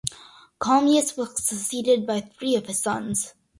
Commius was succeeded by three of his sons.